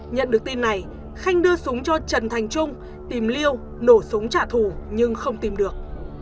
nhận được tin này khanh đưa súng cho trần thành trung tìm liêu nổ súng trả thù nhưng không tìm được